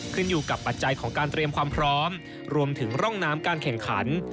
ขึ้นอยู่กับปัจจัยของการเตรียมความพร้อมรวมถึงร่องน้ำการแข่งขัน